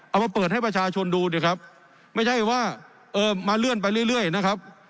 เอามาเปิดให้ประชาชนดูดิครับไม่ใช่ว่าเออมาเลื่อนไปเรื่อยนะครับ